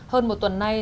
hơn một tuần nay